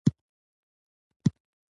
د اردو د منحل کیدو